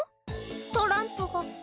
「トランプが」